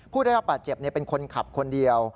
ผู้ได้รับบาดเจ็บเป็นคนขับคนเดียว